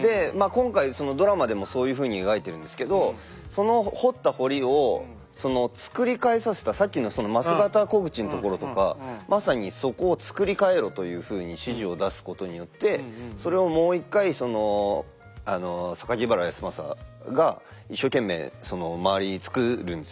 今回そのドラマでもそういうふうに描いてるんですけどそのさっきのその枡形虎口のところとかまさにそこを造り替えろというふうに指示を出すことによってそれをもう１回原康政が一生懸命その周りに造るんですよ。